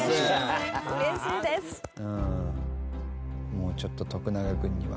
もう、ちょっと徳永君には。